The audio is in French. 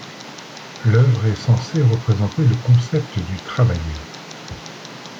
L'œuvre est censée représenter le concept du Travailleur.